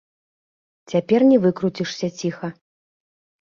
Цяпер не выкруцішся ціха.